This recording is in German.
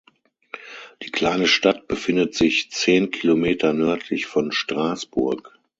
Die kleine Stadt befindet sich zehn Kilometer nördlich von Straßburg.